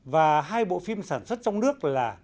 và hai bộ phim sản xuất trong nước là